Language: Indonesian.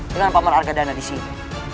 dengan paman argadana disini